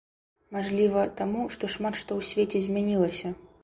Мажліва, таму, што шмат што ў свеце змянілася.